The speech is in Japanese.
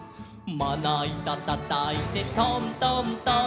「まないたたたいてトントントン」